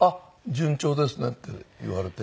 順調ですねって言われて。